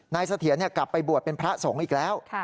เสถียรกลับไปบวชเป็นพระสงฆ์อีกแล้ว